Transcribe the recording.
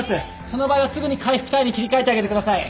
その場合はすぐに回復体位に切り替えてあげてください。